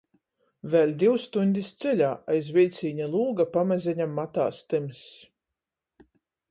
Vēļ div stuņdis ceļā, aiz viļcīņa lūga pamazeņam matās tymss.